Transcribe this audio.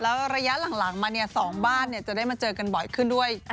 แล้วระยะหลังมา๒บ้านจะได้มาเจอกันบ่อยขึ้นด้วย